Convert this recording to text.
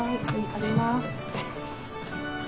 食べます。